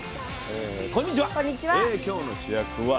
こんにちは。